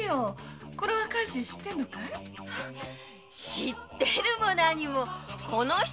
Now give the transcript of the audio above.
知ってるも何もこの人